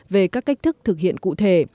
về các cách thức thực hiện cụ thể